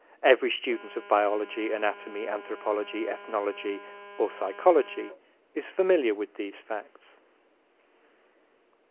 Every student of biology, anatomy, anthropology, ethnology or psychology is familiar with these facts.